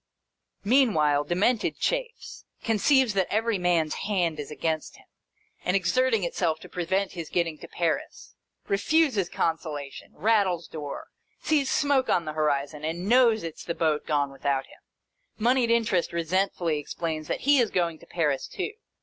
Meanwhile, Demented chafes. Conceives that every man's hand is against him, and exerting itself to prevent his getting to Paris. Refuses consolation. Rattles door. Sees smoke on the horizon, and " knows " it 's the boat gone without him. Monied Interest resentfully explains that he is going to Paris too.